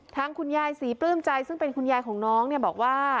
ทางคุณยายศรีปลื้มใจซึ่งเป็นคุณยายของน้องเนี่ยบอกว่า